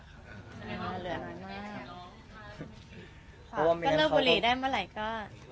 ก็เลิกบุหรี่ได้เมื่อไหร่ก็